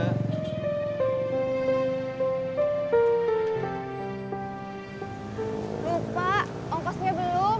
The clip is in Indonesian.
lupa ongkasnya belum